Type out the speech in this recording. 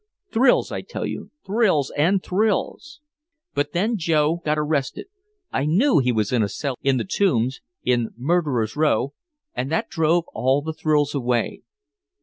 Thrills, I tell you, thrills and thrills! "But then Joe got arrested. I knew he was in a cell in the Tombs, in Murderers' Row. And that drove all the thrills away.